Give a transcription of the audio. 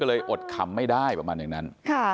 ก็เลยอดคำไม่ได้ประมาณอย่างนั้น